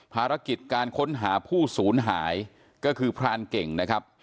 ภารกิจการค้นหาผู้สูญหายก็คือพรานเก่งนะครับ